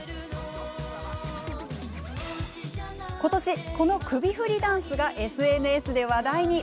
今年、この首振りダンスがＳＮＳで話題に。